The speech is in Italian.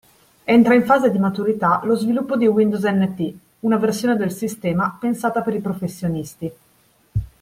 Entra in fase di maturità lo sviluppo di Windows NT, una versione del sistema pensata per i professionisti.